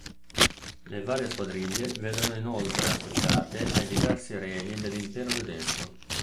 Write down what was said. Le varie squadriglie vennero inoltre associate ai diversi regni dell'Impero tedesco.